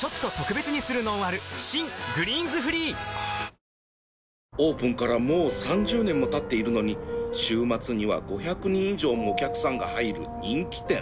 新「グリーンズフリー」オープンからもう３０年もたっているのに週末には５００人以上もお客さんが入る人気店